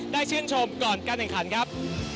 ชื่นชมก่อนการแข่งขันครับ